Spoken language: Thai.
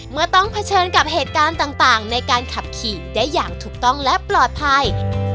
เมื่อต้องเผชิญกับเหตุการณ์ต่างในการขับขี่ได้อย่างถูกต้องและปลอดภัย